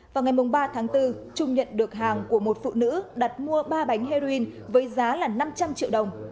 vào ngày ba tháng bốn trung nhận được hàng của một phụ nữ đặt mua ba bánh heroin với giá là năm trăm linh triệu đồng